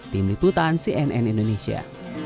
tim liputan cnn indonesia